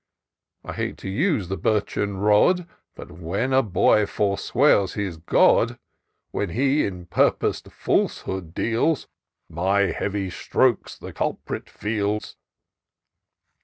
I hate to use the birchen rod ; But, when a boy forswears his God; When he in purpos'd falsehood deals. My heavy strokes the culprit feels.